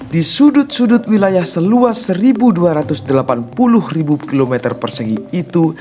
di sudut sudut wilayah seluas seribu dua ratus delapan puluh ribu km persegi itu